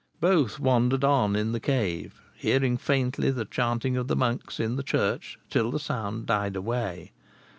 Both wandered on in the cave, hearing faintly the chanting of the monks in the church, till the sound died away.